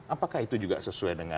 apakah itu juga sesuai dengan